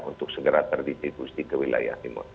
untuk segera terdistribusi ke wilayah timur